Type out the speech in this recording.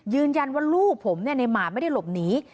ยืนยันว่าลูกผมในหมาไม่ได้หลบหนี